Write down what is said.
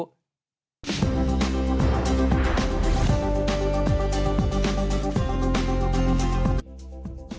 ต้องรู้